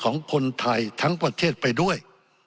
ของคนไทยทั้งประเทศไปด้วย